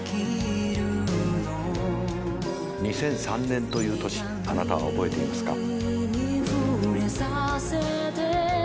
２００３年という年あなたは覚えていますか？